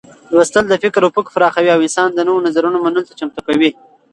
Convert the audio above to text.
لوستل د فکر افق پراخوي او انسان د نوو نظرونو منلو ته چمتو کوي.